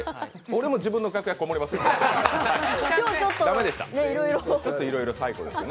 俺も自分の楽屋、こもりますよ。